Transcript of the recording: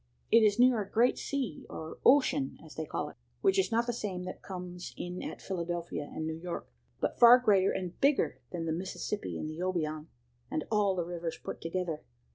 It is near a great sea, or ocean as they call it, which is not the same that comes in at Philadelphia and New York, but far greater and bigger than the Mississippi and the Obion, and all the rivers put together.